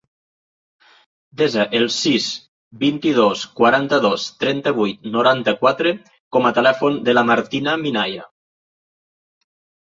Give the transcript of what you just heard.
Desa el sis, vint-i-dos, quaranta-dos, trenta-vuit, noranta-quatre com a telèfon de la Martina Minaya.